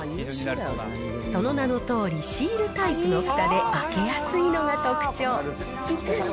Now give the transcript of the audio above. その名のとおり、シールタイプのふたで、開けやすいのが特徴。